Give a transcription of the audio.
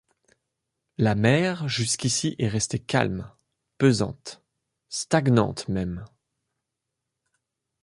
La mer jusqu’ici est restée calme, pesante, stagnante même.